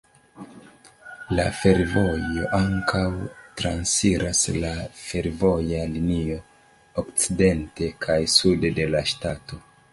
La fervojo ankaŭ transiras la fervoja linio okcidente kaj sude de la ŝtato.